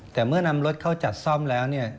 แต่เมื่อนำรถเข้าจัดซ่อมแล้วเนี่ย